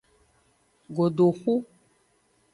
Godoxu.